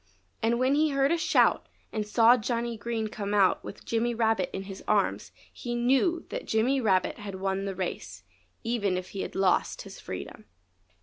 And when he heard a shout and saw Johnny Green come out with Jimmy Rabbit in his arms he knew that Jimmy Rabbit had won the race, even if he had lost his freedom.